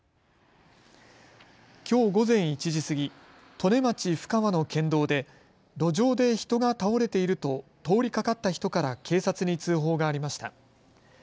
きょう午前１時過ぎ、利根町布川の県道で路上で人が倒れていると通りかかった人から警察に通報がありました。